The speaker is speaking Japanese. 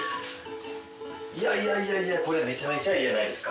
いやいやいやいやこれめちゃめちゃいいじゃないですか。